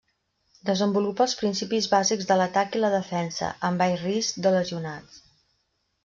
Desenvolupa els principis bàsics de l'atac i la defensa, amb baix risc de lesionats.